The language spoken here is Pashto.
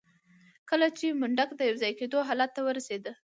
کله چې منډک د يوځای کېدو حالت ته ورسېده.